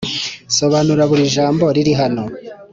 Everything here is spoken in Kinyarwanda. sobanura buri jambo riri hano